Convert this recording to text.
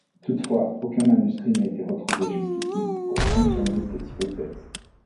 Toutefois, aucun manuscrit n'a été trouvé jusqu'ici, pour confirmer cette hypothèse.